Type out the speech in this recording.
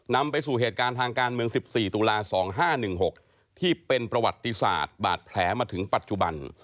นำไปสู่เหตุการณ์ทางการเมือง๑๔ตุลา๒๕๑๖ที่เป็นประวัติศาสตร์บาดแผลมาถึงปัจจุบัน